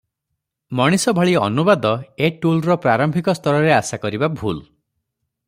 ମଣିଷ ଭଳି ଅନୁବାଦ ଏ ଟୁଲର ପ୍ରାରମ୍ଭିକ ସ୍ତରରେ ଆଶାକରିବା ଭୁଲ ।